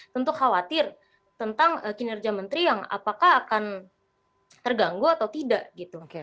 tentu khawatir tentang kinerja menteri yang apakah akan terganggu atau tidak gitu